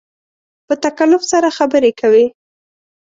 په تکلف سره خبرې کوې